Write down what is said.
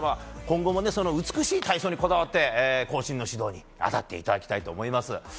今後も美しい体操にこだわって後進の指導に当たっていただきたいと思います。